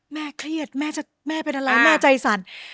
แม่เครียดแม่เป็นอะไรแม่ใจสั่น